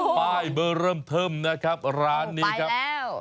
ป้ายเบอร์เริ่มเทิมนะครับร้านนี้ครับ